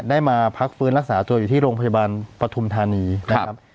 ได้มาพักฟื้นรักษาตัวอยู่ที่โรงพยาบาลปฐุมธานีนะครับ